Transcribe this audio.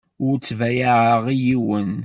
Ur ttbayaɛeɣ i yiwen.